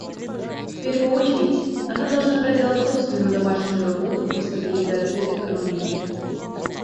В первую очередь, она должна проделать собственную домашнюю работу по стабилизации экономики.